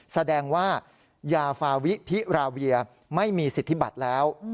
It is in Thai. แสดงว่ายาฟาวิพิราเวียไม่มีสิทธิบัติแล้ว